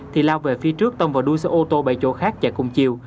thì lao về phía trước tông vào đuôi xe ô tô bảy chỗ khác chạy cùng chiều